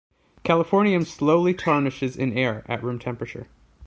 Californium slowly tarnishes in air at room temperature.